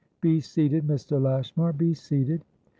Be seated, Mr. Lashmar, be seated.